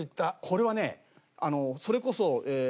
これはねそれこそ。